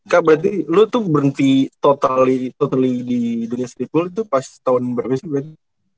kak berarti lo tuh berhenti totally di the nasty pool tuh pas tahun berapa sih berarti